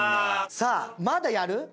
さあまだやる？